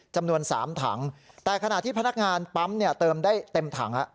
จำนวน๓ถังแต่ขณะที่พนักงานปั๊มเนี่ยเติมได้เต็มถัง